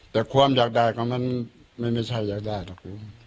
แต่ความอยากได้ของมันไม่ใช่อยากได้หรอกคุณ